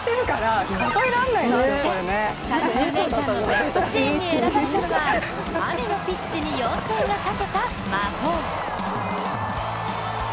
そして３０年間のベストシーンに選ばれたのは雨のピッチに妖精がかけた魔法。